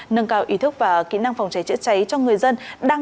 nâng cao ý thức và kỹ năng phòng cháy chữa cháy cho người dân